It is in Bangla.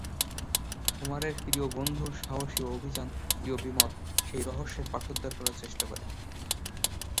কুমারের প্রিয় বন্ধু, সাহসী ও অভিযান প্রিয় বিমল সেই রহস্যের পাঠোদ্ধার করার চেষ্টা করে।